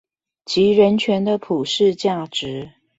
及人權的普世價值